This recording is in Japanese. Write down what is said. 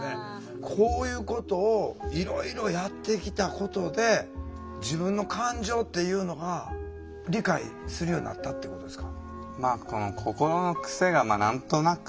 こういうことをいろいろやってきたことで自分の感情っていうのが理解するようになったってことですか？